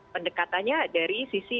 pendekatannya dari sisi